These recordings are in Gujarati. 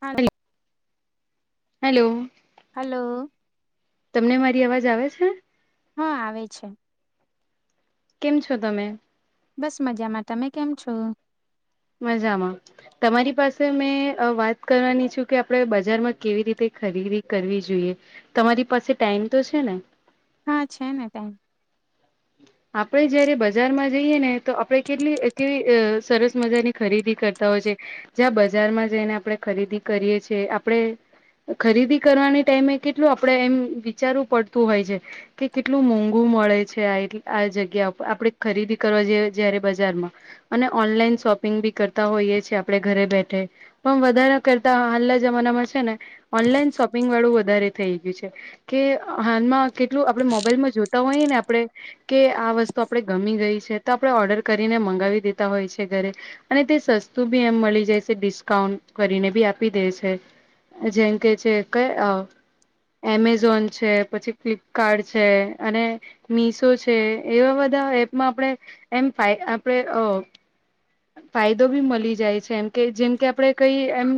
હા હલો? હલો! તમને મારી અવાજ આવે છે? હા આવે છે. કેમ છો તમે? બસ મજામાં તમે કેમ છો? મજામાં. તમારી પાસે મેં વાત કરવાની છું કે, આપડે બજારમાં કેવી રીતે ખરીદી કરવી જોઈએ? તમારી પાસે ટાઈમ તો છે ને? હા છે ને ટાઈમ. આપડે જયારે બજારમાં જઈએ ને તો આપડ કેટલી એવી સરસ મજાની ખરીદી કરતા હોય છે જ્યાં બજારમાં જઈને આપણે ખરીદી કરીએ છીએ આપણે ખરીદી કરવાની ટાઈમે કેટલું આપડે એમ વિચારવું પડતું હોય છે. કે કેટલું મોંઘુ મળે છે આ. આ જગ્યા ઉપર આપણેે ખરીદી કરવા જઈએ જયારે બજારમાં અને ઓનલાઈન શોપિંગ બી કરતા હોઈએ છેએ આપડણે ઘરે બેઠે પણ વધારે કરતા હાલના જમાનામાં છે ને ઓનલાઈન શોપિંગ વાળું વધારે થઈ ગયું છે. કે હાલમાં કેટલું આપડે મોબાઈલમાં જોતા હોઈએ ને આપડે. કે આ વસ્તુ આપણે ગમી ગઈ છે તો આપણે ઓર્ડર કરીને મગાવી દેતા હોય છે ઘરે. અને તે સસ્તું બી એમ મળી જાય છે ડિસ્કાઉન્ટ કરીને બી આપી દે છે. જેંમ કે છે કઈ અ. એમેઝોન છે પછી ફ્લિપકાર્ટ છે અને મીશો છે એવા બધા એપમાં આપણે એમ ફાઈડા આપડણે અ. ફાયદો બી મળી જાય છે એમ કે જેમ કે આપડે કઈ એમ.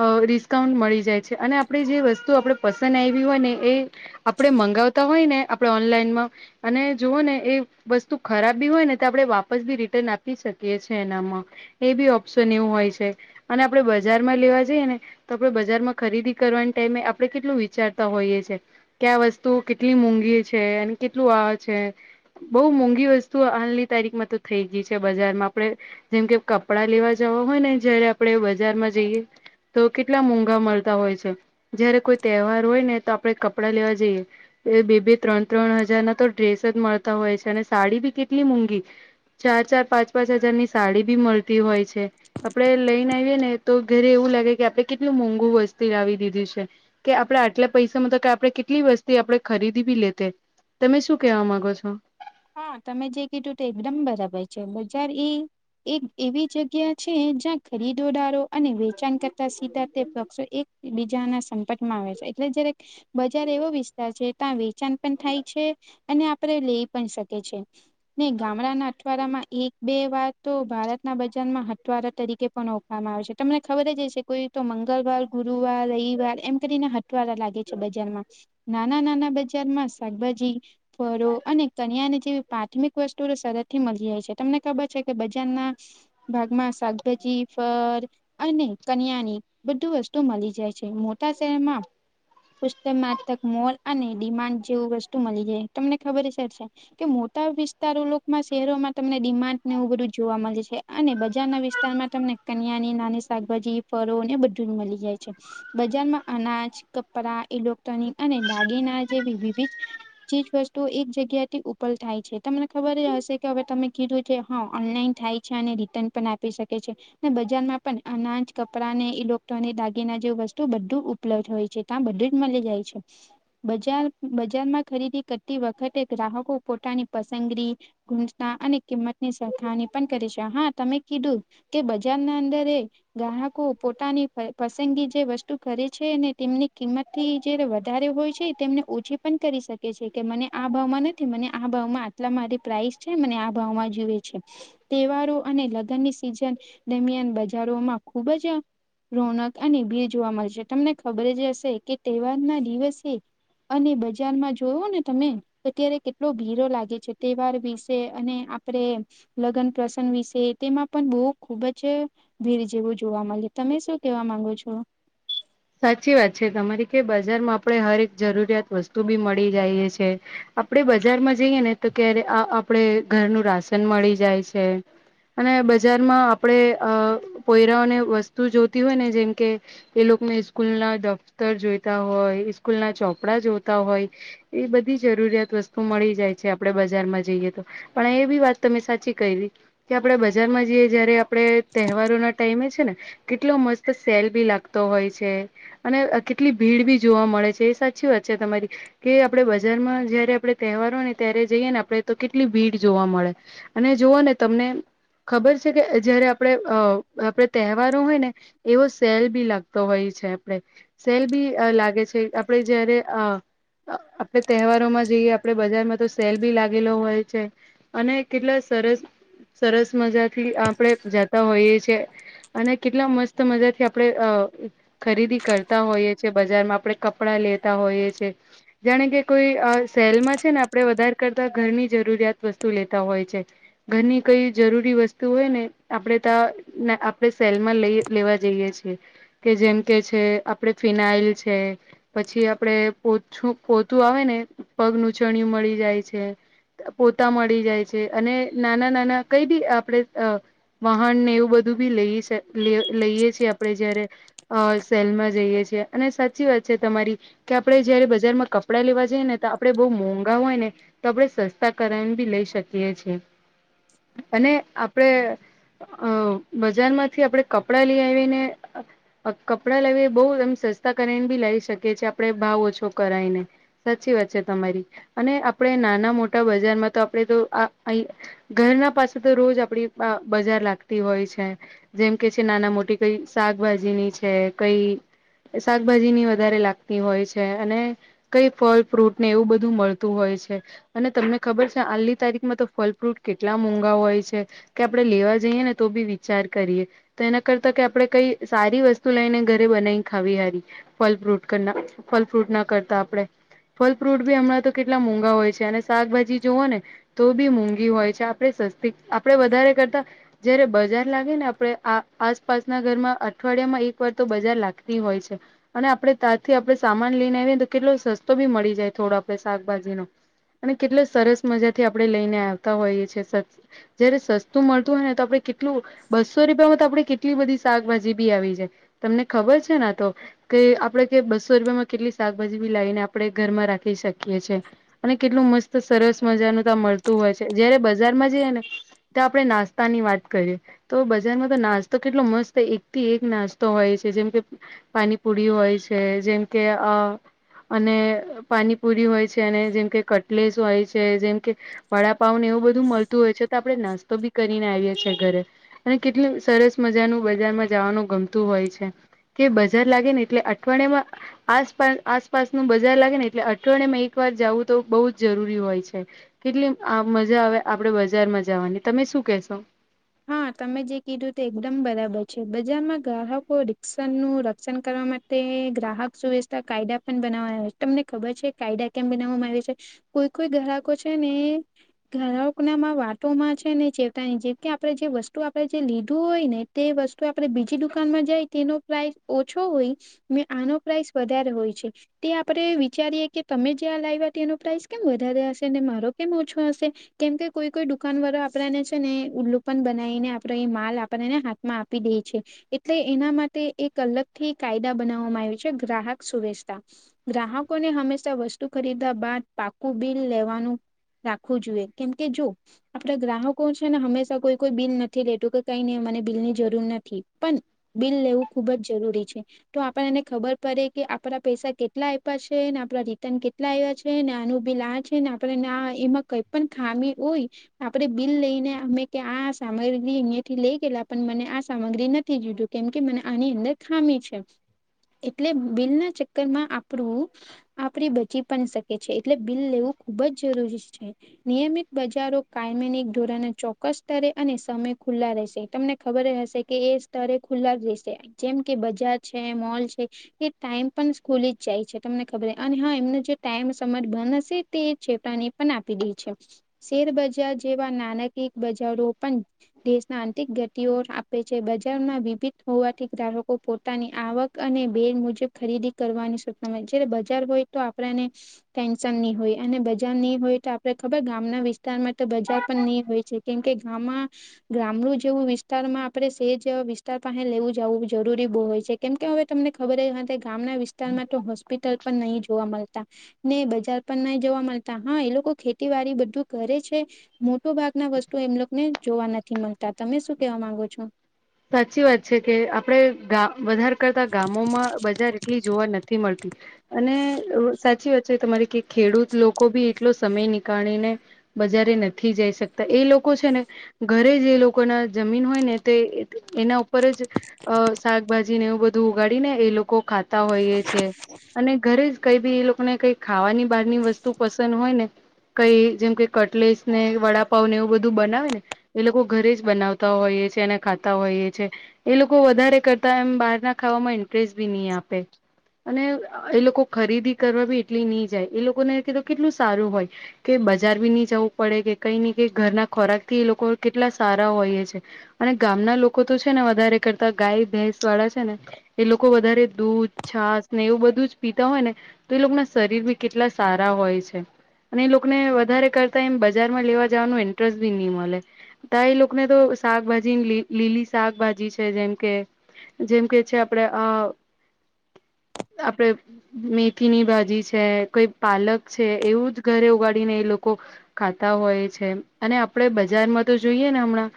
અ ડિસ્કાઉન્ટ મળી જાય છે અને આપણે જે વસ્તુ આપણે પસંદ આવી હોય ને એ. આપણેે મંગાવતા હોય ને આપણે ઓનલાઈનમાં અને જોવોઓ ને એ વસ્તુ ખરાબ બી હોય ને તો આપડણે વાપસ બી રિટર્ન આપી શકીએ છેએ એનામાં. એ બી ઓપ્શન એવું હોય છે અને આપડે બજારમાં લેવા જઈએ ને. તો આપડે બજારમાં ખરીદી કરવાની ટાઈમે આપડણે કેટલું વિચારતા હોઈએ છે. કે આ વસ્તુ કેટલી મોંઘી છે અને કેટલું આ છે. બઉુ મોંઘી વસ્તુ હાલની તારીખમાં તો થઈ ગઈ છે બજારમાં આપણે. જેમ કે કપડા લેવા જવા હોય ને જયારે આપણે બજારમાં જઈએ. તો કેટલા મોઘા મળતા હોય છે જયારે કોઈ તહેવાર હોય ને તો આપણે કપડાં લેવા જઈએ. એ બે બે ત્રણ ત્રણ હજાર ના તો ડ્રેસ જ મળતા હોય છે અને સાડી બી કેટલી મોઘી ચાર ચાર પાંચ પાંચ હજાર ની સાડી બી મળતી હોય છે. આપડે લઈને આવીએ ને તો ઘરે એવું લાગે કે આપડે કેટલું મોંઘુ વસ્તી લાવી દીધી છે. કે આપડે આટલા પૈસામાં તો કે આપડણે કેટલી વસ્તી આપડે ખરીદી ભી લેતે તમે શું કેવા માંગો છો. હા તમે જે કીધું તો એકદમ બરાબર છે બજાર. એક એવી જગ્યા છે જ્યાં ખરીદોદારો અને વેચાણ કરતા સીધા તે પક્ષો એક. બીજાના સંપટ માં આવે છે એટલે જ્યારે બજાર એવો વિસ્તાર છે. ત વેચાણ પણ થાય છે અને આપડે લઈ પણ શકી છે. નઈ ગામડાના અઠવાડિયા માં. એક બે વાર તો ભારતના બજારમાં હથવાારા તરીકે પણ ઓખવામાં આવે છે તમને ખબર જ હ છે. કોઈ તો મંગળવાર ગુરુવાર રવિવાર એમ કરીને. રા લાગે છે બજારમાં નાના નાના બજારમાં શાકભાજી ફળો અને તનિયા અને જેવી પ્રાથમિક વસ્તુઓ સરતથી મળી જાય છે તમને ખબર છે કે બજારના. ભાગમાં શાકભાજી ફર અને કન્યાની બધું વસ્તુ મળી જાય છે મોટા શહેરમાં. પુસ્ત માથક મોલ અને ડિમાન્ડ જેવું વસ્તુ મળી જાય તમને ખબર હ સર હશે. કે મોટા વિસ્તારોમાં શહેરોમાં તમને ડિમાન્ડ ને એવું બધું જોવા મળે છે અને બજાર ના વિસ્તારમાં. વિસ્તાર માં તમને કનિયા ની નાની શાકભાજી ફળો ને બધું જ મળી જાય છે. બજારમાં અનાજ કપડા ઇલેક્ટ્રોનિક અને દાગીનાર જેવી વિવિધ ચીજ વસ્તુ એક જગ્યા. ઉપર થાય છે તમને ખબર જ હશે કે હવે તમે કીધું છે હા ઓનલાઈન થાય છે અને તન પણ આપી શકે છે. બજારમાં પણ અનાજ કપડાં ને ઇલેક્ટ્રોનિક દાગીના જેવું વસ્તુ બધું ઉપલબ્ધ હોય છે. ત્યાં બધું જ મળી જાય છે બજ બજારમાં ખરીદી કરતી વખતે ગ્રાહકો પોતાની પસંદગી. ગૂટતા અને કિંમતની સરખાની પણ કરી છે હા તમે કીધું. કે બજાર ના અંદર એ ગ્રાહકો પોતાની પસંદગી જે વસ્તુ કરે છે ને તેમની કિંમત થી જ્યારે વધારે હોય છે તેમને ઓછી પણ કરી શકે છે, કે મને આ ભાવમાં નથી, મને આ ભાવમાં આટલા મારી પ્રાઇસ છે, મને આ ભાવમાં જોવે છે. તહેવારો અને લગ્નની સિઝન દરમિયાન બજારોમાં ખુબ જ રોનક અને ભીડ જોવા મલે છે. તમને ખબર જ હશે કે તહેવાર ના દિવસે અને બજારમાં જોવો ને તમે તો ત્યારે કેટલો ભીડો લાગે છે. તહેવાર વિશે અને આપડે લગ્ન પ્રસંગ વિશે તેમાં પણ બહુ ખુબ જ ભીડ જેવું જોવા મલે. તમે શું કહેવા માંગો છો? સાચી વાત છે તમારી કે બજારમાં આપણે હરેક જરૂરિયાત વસ્તુ બી મળી જાઈએ છે. આપડે બજારમાં જઈએ ને તો ક્યારે આ આપડે ઘરનું રાશન મળી જાય છે. અને બજારમાં આપડે અહ પોયરાઓને વસ્તુ જોતી હોય ને જેમ કે એ લોક ક સ્કૂલ ના દફ્તર જોઈતા હોય, ઈસ્કૂલ ના ચોપડા જોતા હોય. એ બધી જરૂરિયાત વસ્તુ મળી જાય છે આપડે બજારમાં જઈએ તો. પણ એ બી વાત તમે સાચી કયરી કે આપડે બજારમાં જઈએ જયારે આપણે તહેવારો ના ટાઈમે છે ને કેટલો મસ્ત તો સેલ ભી લાગતો હોય છે અને અહ કેટલી ભીડ ભી જોવા મળે છે એ સાચી વાત છે તમારી. કે આપડે બજારમાં જયારે આપડે તહેવાર હોય ને ત્યારે જઈએ ને આપડે તો કેટલી ભીડ જોવા મળે. અને જોઓ ને તમને ખબર છે કે જયારે આપડણે અ આપડ તહેવારો હોય ને એવો સેલ બી લાગ તો હોય છે આપણે સેલ બી અહ લાગે છે આપણે જયારે અહ અ આપણે તહેવારોમાં જઈએ આપડે બજારમાં તો સેલ બી લાગેલો હોય છે. અને કેટલા સરસ સરસ મજાથી આપણે જાતા હોઈએ છેએ અને કેટલા મસ્ત મજા થી આપડણે અહ ખરીદી કરતા હોઈએ છીએ બજારમાં આપણેે કપડાં લેતા હોઈએ છે. જાણે કે કોઈ અ સેલમાં છે ને આપડણે વધારે કરતા ઘરની જરૂરિયાત વસ્તુ લેતા હોય છે. ઘરની કઈ જરૂરી વસ્તુ હોય ને આપડે ત્યા ના આપડણે સેલ માં લઈ લેવા જઈએ છીએ કે જેમ કે છે આપડે ફિનાઇલ છે. પછી આપડે પોછું પોતું આવે ને પગનું ચણયું મળી જાય છે. પોતા મળી જાય છે અને નાના નાના કઈ બી આપણે અહ વાહન ને એવું બધું બી લઈએ છે લઈ લઈએ છીએ આપડણે જયારે અ સેલમાં જઈએ છીએ અને સાચી વાત છે તમારી કે આપડે જયારે બજારમાં ક પડા લેવા જઈએ ને તો આપણે બહુ મોંઘા હોય ને તો આપડે સસ્તા કરાઈન બી લઈ શકીએ છીએ અને આપણેે અ બજાર માંથી આપડે કપડા લઈ આવીને કપડાં લાવ બહુ એમ સસ્તા કરને બી લાવી શકીએ છીએ આપણે ભાવ ઓછો કરાઈને સાચી વાત છે તમારી અને આપણે નાના મોટા બજારમાં તો આપણે તો આ અહી ઘરના પાસે તો રોજ આપડી બ બજાર લાગતી હોય છે. જેમ કે છે નાના મોટી કઈ શાકભાજીની છે કઈ શાકભાજી ની વધારે લાગતી હોય છે અને કઈ ફળ ફ્રૂટ ને એવું બધું મળતું હોય છે અને તમને ખબર છે હાલની તારીખમાં તો ફલ ફ્રૂટ કેટલા મોંઘા હોય છે કે આપણે લેવા જઈએ ને તો બી વિચાર કરીએ તો એના કરતા કે આપણે કઈ સારી વસ્તુ લઈને ઘરે બનાવી ખાવી હારી ફલ ફ્રૂટ કરના ફલ ફ્રૂટ ના કરતા આપણે ફલ ફ્રૂટ બી હમણાં તો કેટલા મોંઘા હોય છે. અને શાકભાજી જોઓ ને તો બી મોંઘી હોય છે આપણે સસ્તી આપડે વધારે કરતા જયારે બજાર લાગે ને આપે આ આસપાસના ઘરમાં અઠવાડિયામાં એક ઉપર તો બજાર લાગતી હોય છે. અને આપડે ત્યાંથી આપડે સામાન લઈને આવીએને તો કેટલો સસ્તો બી મળી જાય થોડો આપણે શાકભાજીનો અને કેટલા સરસ મજા થી આપણે લઈને આવતા હોઈએ છીએ. જયારે સસ્તું મળતું હોય ને તો આપડણે કેટલું બસો રૂપિયામાં તો આપડે કેટલી બધી શાકભાજી બી આવી છે, તમને ખબર છે ને આ તો કે આપડે કે બસો રૂપિયામાં કેટલી શાકભાજી બી લાવીને આપણેે ઘરમાં રાખી શકીએ છીએ. અને કેટલું મસ્ત સરસ મજાનું ત્યા મળતું હોય છે, જયારે બજારમાં જઈએ ને ત્યા આપણે નાસ તા ની વાત કરીએ તો બજાર માં તો નાસ્તો કેટલો મસ્ત એક થી એક નાસ્તો તો હોય છે, જેમ કે પાણીપુરી હોય છે, જેમ કે અ અને પાનીપુરી હોય છે, અને જેમ કે કટલેસ હોય છે, જેમ કે વડાપાવને એવું બધું મળતું હોય છે, તો આપડણે નાસ્તો બી કરીને આવીએ છીએ ઘરે અને કેટલુ સરસ મજાનું બજારમાં જવાનું ગમતું હોય છે. કે બજાર લાગે ને એટલે અઠવાડિયામાં આસપાસ આસપાસનું બજાર લાગે ને એટલે અઠવડીયામાં એક વાર જવું તો બહુ જ જરૂરી હોય છે. કેટલી આ મજા આવે આપડે બજારમાં જવાની તમે શું કેશો? હા તમે જે કીધું તે એકદમ બરાબર છે, બજારમાં ગ્રાહકો રિક્ષા નું રક્ષણ કરવા માટે તે ગ્રાહક સુવ્યસ્થા કાયદા પણ બનાવ છે, તમને ખબર છે કાયદા કેમ બનાવવામાં આવે છે? કોઈ કોઈ ગ્રહકો છે ને એ ગ્રહક નામાં વાતો માં છે ને ચેતાની જે કે આપણે જે વસ્તુ આપણે જે લીધું હોય ને તે વસ્તુ આપે બીજી દુકાનમાં જાય તેનો પ્રાઇસ ઓછો હોય મે આનો પ્રાઈસ વધારે હોય છે. તે આપણે વિચારીએ કે તમે જ્યાં લાવ્યા તેનો પ્રાઇસ કેમ વધારે હશે ને મારો કેમ ઓછો હશે? કેમ કે કોઈ કોઈ દુકાન વાળો આપેને છે ને ઉલ્લુ પણ બનાવીને આપડો એ માલ આપણને હાથમાં આપી દે છે. એટલે એના માટે એક અલગથી કાયદા બનાવવામાં આવ છે, ગ્રાહક સુરક્ષા ગ્રાહકોને હંમેશા વસ્તુ ખરીદ્યા બાદ પાકું બિલ લેવાનું. રાખવું જોઈએ કેમકે જો આપડા ગ્રાહકો છે ને હંમેશા કોઈ કોઈ બિલ નથી લેતું કે કઈ મને મને બિલ ની જરૂર નથી પણ બિલ લેવું ખુબ જ જરૂરી છે. તો આપણને એને ખબર પડે કે આપણા પૈસા કેટલા આપ્યા છે. આપડા રિટર્ન કેટલા આવ્યા છે. નાનું બીલા છે ને આપે ના એમાં કઈ પણ ખામી હોય. આપડે બિલ લઈને અમે કે આ સામગ્રી અહિયાંથી લઇ ગયેલા પણ મને આ સામગ્રી નથી જોઈતું કેમ કે મને આની અંદર ખામી છે. એટલે બિલના ચક્કર માં આપણું આપણી બચી પણ શકે છે, એટલે બિલ લેવું ખુબ જ જરૂરી છે. નિયમિત બજારો કાયમીન એક ધોરણે ચોક્કસ સ્તરે અને સમય ખુલ્લા રહેશે તમને ખબર હશે કે એ સ્તરે ખુલ્લા જ રહેશે. જેમ કે બજાર છે મોલ છે. એ ટાઈમ પણ સ્કૂલી જ જાય છે, તમને ખબર અને હા એમને જે ટાઈમ સમજ બંધ હશે તે ચેપાણી પણ આપી દે છે, શેરબજાર જેવા નાણાકીય બજારો પણ દેશના આંતિક ગતિઓ આપે છે, બજારમાં વિભિત હોવાથી ગ્રાહકો પોતાની આવક અને બેડ મુજબ ખરીદી કરવાની સૂચના મળે જય્યારે બજાર હોય તો આપણને ટેન્શન નહી હોય અને બજાર નહી હોય તો આપડે ખબર ગામના વિસ્તારમાં તો બજાર પણ નહી હોય છે કેમ કે આમાં ગામડું જેવું વિસ્તાર માં આપડે સેજ વિસ્તાર પાસે લેવું જું જરૂરી બહુ હોય છે. કેમ કે હવે તમને ખબર હો કે ગામના વિસ્તારમાં તો હોસ્પિટલ પણ નહીં જોવા મળશે. ને બજાર પણ નહી જોવા મળતા હા એ લોકો ખેતીવાડી બધું કરે છે. મોટો ભાગ ના વસ્તુ એમલોને જોવા નથી મળતા તમે શું કેવા માંગો છો? સાચી વાત છે, કે આપડે ગ્રા વધાર કરતા ગામોમાં બજાર એટલી જોવા નથી મળતી અને સાચી વાત છે, તમારી કે ખેડૂત લોકો ભી એટલો સમય નીકાળીને બજારે નથી જઈ શકતા એ લોકો છે, ને ઘરે જે લોકો ના જમીન હોય ને તે એના ઉપર જ અ શાકભાજી ને એવું બધું ઉગાડી ને એ લોકો ખાતા તા હોઈએ છે અને ઘરે જ કઈ બી એ લોકોને કઈ ખાવાની બહાર ની વસ્તુ પસંદ હોય ને કઈ જેમ કે કટલેસ ને વડાપાવ ને એવું બધું બનાવે ને એ લોકો ઘરે જ બનાવતા હોય ઈએ છે એના ખા તા હોઈએ છે એ લોકો વધારે કરતા એમ બહાર ના ખાવામાં ઇન્ટરેસ્ટ બી નહી આપે અને એ લોકો ખરીદી કરવા બી એટલી નહી જાય એ લોકોને કીધ કેટલું સારું હોય કે બજાર ભી નઈ જવું પડે કે કઈ નઈ કે ઘરના ખોરાક થી એ લોકો કેટલા સારા હોઈએ છે. અને ગામના લોકો તો છે ને વધારે કરતા ગાય ભેંસ વાળા છે ને એ લોકો વધારે દૂધ છાસ ને એવું બધું જ પીતા હોય ને તો એ લોકો ના શરીર બી કેટલા સારા હોય છે. અને એ લોકોને વધારે કરતા એમ બજારમાં લેવા જવાનું ઇન્ટરેસ્ટ બી નહી મળે. તા એ લોકોને તો શાકભાજી લીલી શાકભાજી છે જેમ કે જેમ કે છે આપડે આપડે મેથીની ભાજી છે કોઈ પાલક છે એવું જ ઘરે ઉગાડીને એ લોકો ખાતા હોય છે અને આપડે બજારમાં તો જોઈએ ને હમણાં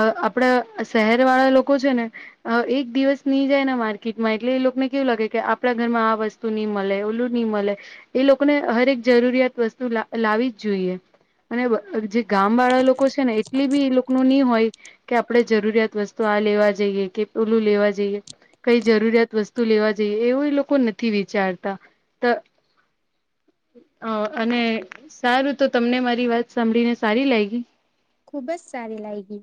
અ આપડા શહેર વાળા લોકો છે ને આ એક દિવસ નહી જાય માર્કેટમાં એટલે એ લોકોને કેવું લાગે કે આપણા ઘરમાં આ વસ્તુ તુ નહી મળે ઓલું નહી મળે એ લોકોને હરેક જરૂરિયાત વસ્તુ લા લાવી જ જોઈએ. અને જે ગામ વાળા લોકો છે ને એટલી બી એ લોકો ની હોય કે આપણેે જરૂરિયાત વસ્તુ આ લેવા જઈએ કે ઓલું લેવા જઈએ. કઈ જરૂરિયાત વસ્તુ લેવા જઈએ એવું લોકો નથી વિચારતા તા હા અને સારું તો તમને મારી વાત સાંભળીને સારી લાગી ખુબ જ સારી લાગી.